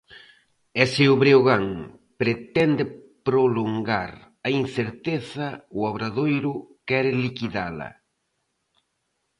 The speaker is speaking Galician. E se o Breogán pretende prolongar a incerteza, o Obradoiro quere liquidala.